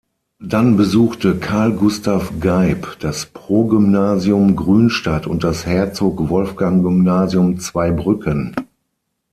Dann besuchte Karl Gustav Geib das Progymnasium Grünstadt und das Herzog-Wolfgang-Gymnasium Zweibrücken.